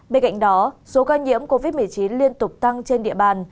bên cạnh đó số ca nhiễm covid một mươi chín liên tục tăng trên địa bàn